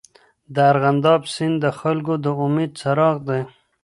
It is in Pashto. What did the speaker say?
د ارغنداب سیند د خلکو د امید څراغ دی.